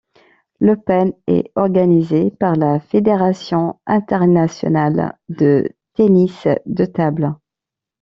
L'Open est organisé par la fédération internationale de tennis de table.